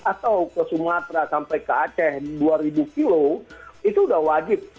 atau ke sumatera sampai ke aceh dua ribu kilo itu sudah wajib